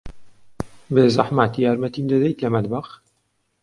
بێزەحمەت، یارمەتیم دەدەیت لە مەتبەخ؟